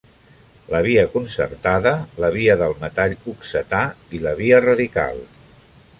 La via concertada, la via del metall oxetà i la via radical.